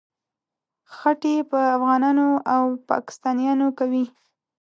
خټې په افغانانو او پاکستانیانو کوي.